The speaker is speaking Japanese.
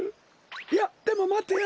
いやでもまてよ！